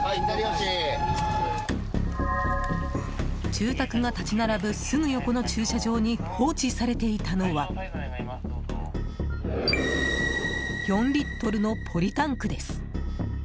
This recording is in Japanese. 住宅が立ち並ぶすぐ横の駐車場に放置されていたのは４リットルのポリタンクです。